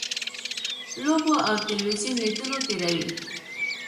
لوبو او تلویزیون لیدلو تېروي.